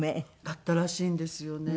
だったらしいんですよね